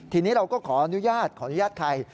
ทีนี้เราก็ขออนุญาตขออนุญาตใคร